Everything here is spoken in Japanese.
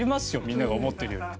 みんなが思ってるより。